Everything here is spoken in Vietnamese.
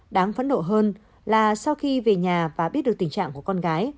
đáng phấn đổ hơn là sau khi về nhà và biết được tình trạng của con gái